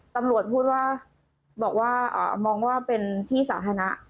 ตำรวจพูดว่าบอกว่ามองว่าเป็นที่สาธารณะ